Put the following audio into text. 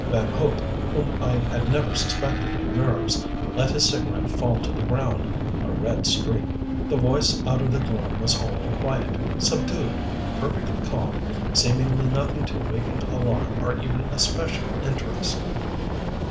Van Hope, whom I had never suspected of nerves, let his cigarette fall to the ground, a red streak. The voice out of the gloom was wholly quiet, subdued, perfectly calm, seemingly nothing to waken alarm or even especial interest.